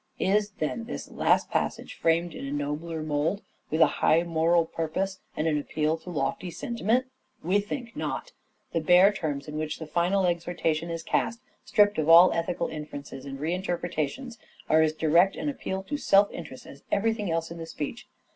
Is, then, this last passage framed in a nobler mould with a high moral purpose and an appeal to lofty sentiment ? We think not. The bare terms in which the final exhortation is cast, stripped of all ethical inferences and reinterpretations, are as direct an appeal to self interest as everything else in the speech.